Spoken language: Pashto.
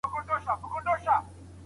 د حقونو د غوښتلو تر څنګ دندي هم وې.